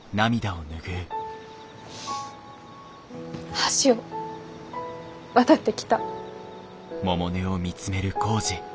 橋を渡ってきた。